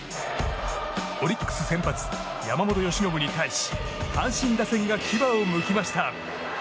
オリックス先発、山本由伸に対し阪神打線が牙をむきました。